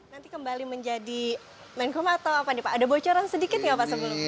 nanti kembali menjadi menkum atau apa nih pak ada bocoran sedikit nggak pak sebelumnya